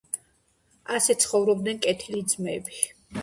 ასე ცხოვრობდნენ კეთილი ძმები.